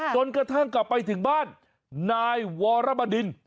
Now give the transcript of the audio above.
จนกระทั่งกลับไปถึงบ้านนายวรบดิน